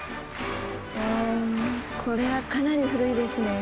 うんこれはかなり古いですね。